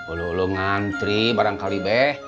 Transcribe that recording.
ulu ulu ngantri barangkali beh